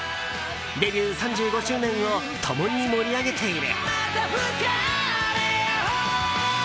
デビュー３５周年を共に盛り上げている。